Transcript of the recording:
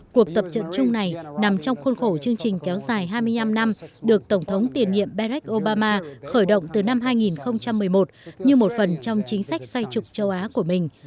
cuộc tập trận chung này nằm trong khuôn khổ chương trình kéo dài hai mươi năm năm được tổng thống tiền nhiệm beck obama khởi động từ năm hai nghìn một mươi một như một phần trong chính sách xoay trục châu á của mình